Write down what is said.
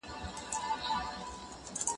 ایا نېکمرغي په بهرنیو هیوادونو کي سته؟